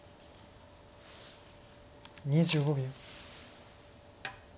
２５秒。